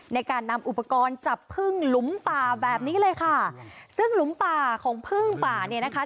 ในการนำอุปกรณ์จับพึ่งหลุมป่าแบบนี้เลยค่ะซึ่งหลุมป่าของพึ่งป่าเนี่ยนะคะ